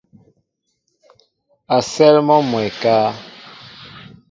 A sέέl mɔ mwɛɛ ékáá.